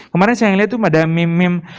kemarin saya lihat tuh pada meme meme